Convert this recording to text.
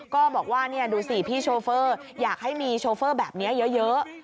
ก็บอกว่าดูสิพี่โชเฟอร์อยากให้มีโชเฟอร์แบบนี้เยอะ